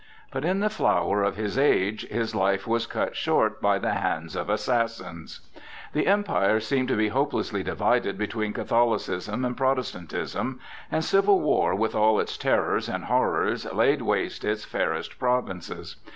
But in the flower of his age his life was cut short by the hands of assassins. The Empire seemed to be hopelessly divided between Catholicism and Protestantism, and civil war with all its terrors and horrors laid waste its fairest provinces.